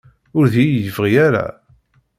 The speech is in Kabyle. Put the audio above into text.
Ur d-iyi-yebɣi ara?